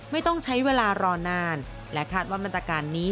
ไม่ต้องใช้เวลารอนานและคาดว่ามาตรการนี้